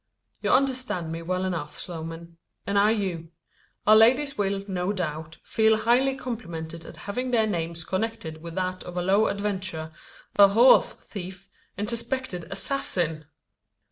"You understand me well enough, Sloman; and I you. Our ladies will, no doubt, feel highly complimented at having their names connected with that of a low adventurer, a horse thief, and suspected assassin!"